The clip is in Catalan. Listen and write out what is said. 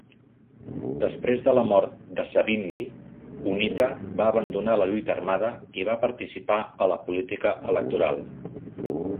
Després de la mort de Savimbi, Unita va abandonar la lluita armada i va participar a la política electoral.